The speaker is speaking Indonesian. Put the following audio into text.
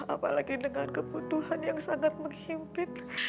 apalagi dengan kebutuhan yang sangat menghimpit